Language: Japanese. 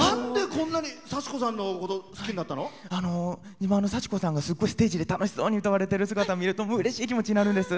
今、幸子さんがステージすっごい楽しそうに歌われている姿を見るとうれしい気持ちになるんです。